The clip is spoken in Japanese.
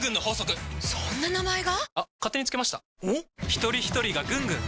ひとりひとりがぐんぐん！